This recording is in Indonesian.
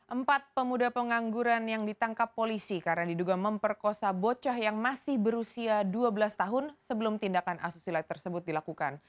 empat pemuda pengangguran yang ditangkap polisi karena diduga memperkosa bocah yang masih berusia dua belas tahun sebelum tindakan asusila tersebut dilakukan